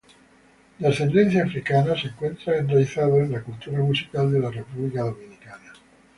De ascendencia africana se encuentra enraizado en la cultura musical de la República Dominicana.